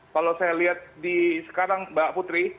kalau saya lihat di sekarang mbak putri